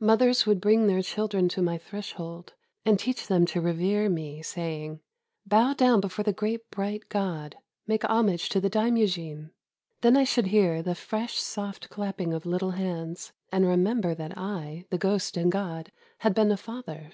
Mothers would bring their children to my threshold, and teach them to revere me, saying, " Bow down before the great bright God; make homage to the Daimyojin." Then I should hear the fresh soft clapping of little hands, and remember that I, the ghost and god, had been a father.